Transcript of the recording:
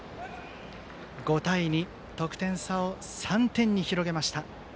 ５対２、得点差を３点に広げました。